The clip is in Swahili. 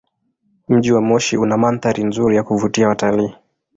Mji wa Moshi una mandhari nzuri ya kuvutia watalii.